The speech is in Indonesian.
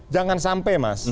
jangan sampai mas